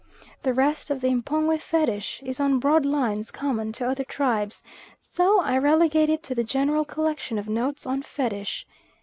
The rest of the M'pongwe Fetish is on broad lines common to other tribes, so I relegate it to the general collection of notes on Fetish.